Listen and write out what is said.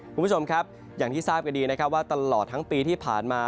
คุณผู้ชมครับอย่างที่ทราบกันดีนะครับว่าตลอดทั้งปีที่ผ่านมา